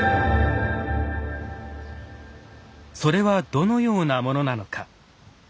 それはどのようなものなのか。